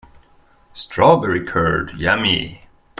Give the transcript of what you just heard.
Strawberry curd, yummy!